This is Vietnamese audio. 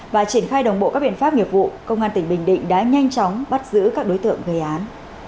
và triển khai đồng bộ các biện pháp nghiệp vụ công an tỉnh bình định đã nhanh chóng bắt giữ các đối tượng gây án